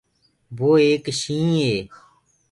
وو ايڪ شيِنهيٚنَ هي۔